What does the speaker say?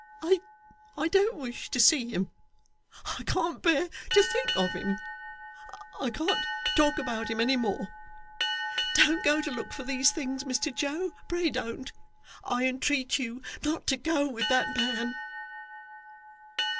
'I don't wish to see him. I can't bear to think of him. I can't talk about him any more. Don't go to look for these things, Mr Joe, pray don't. I entreat you not to go with that man.